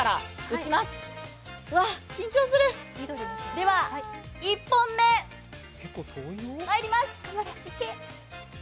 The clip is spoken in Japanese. では１本目、いきます！